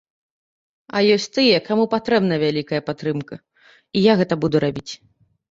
А ёсць тыя, каму патрэбна вялікая падтрымка, і я гэта буду рабіць.